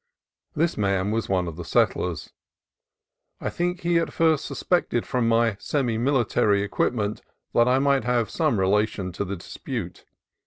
This man was one of the settlers. I think he at first suspected from my semi military equipment that I might have some relation to the dispute.